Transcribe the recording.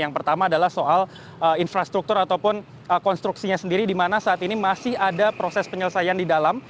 yang pertama adalah soal infrastruktur ataupun konstruksinya sendiri di mana saat ini masih ada proses penyelesaian di dalam